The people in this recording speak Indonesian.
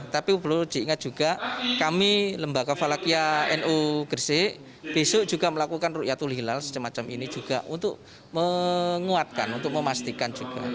tapi perlu diingat juga kami lembaga falakiyah nu gresik besok juga melakukan rukyatul hilal semacam ini juga untuk menguatkan untuk memastikan juga